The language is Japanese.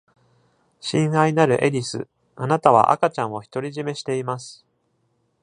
親愛なるエディス、あなたは赤ちゃんを独り占めしています。